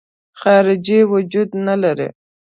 خارجي وجود نه لري.